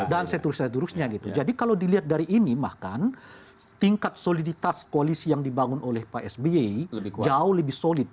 dan seterusnya jadi kalau dilihat dari ini tingkat soliditas koalisi yang dibangun oleh psbi jauh lebih solid